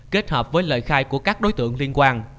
kết hợp với lời khai của các đối tượng liên quan